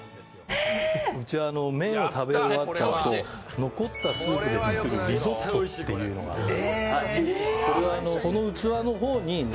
こちら麺を食べ終わった後、残ったスープで作るリゾットというのがあります。